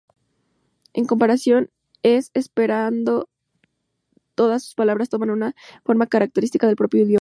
En comparación, en esperanto, todas sus palabras toman una forma característica del propio idioma.